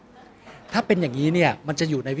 ก็ต้องทำอย่างที่บอกว่าช่องคุณวิชากำลังทำอยู่นั่นนะครับ